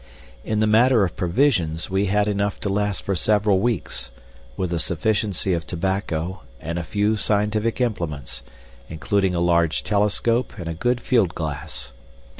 In the matter of provisions we had enough to last for several weeks, with a sufficiency of tobacco and a few scientific implements, including a large telescope and a good field glass.